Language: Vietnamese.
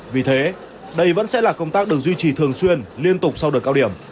vì thế đây vẫn sẽ là công tác được duy trì thường xuyên liên tục sau đợt cao điểm